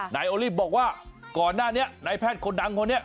นายโอลี่บอกว่าก่อนหน้านี้นายแพทย์คนดังคนนี้